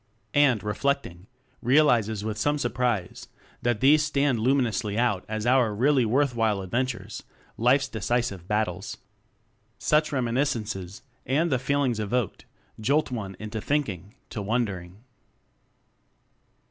And, reflecting, realizes with some surprise that these stand luminously out as our really worth while adventures life's decisive bat tles. Such reminiscences, and the feelings evoked, jolt one into thinking to wondering.